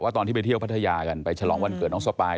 ตอนที่ไปเที่ยวพัทยากันไปฉลองวันเกิดน้องสปาย